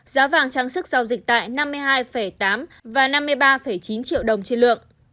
giá vàng trang sức giao dịch tại năm mươi hai tám và năm mươi ba chín triệu đồng trên lượng